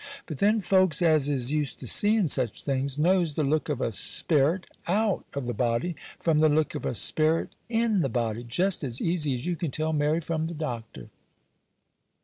But then, folks as is used to seein' such things, knows the look of a sperit out of the body, from the look of a sperit in the body, just as easy as you can tell Mary from the Doctor.